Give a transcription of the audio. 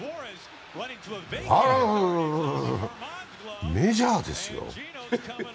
あらららメジャーですよ。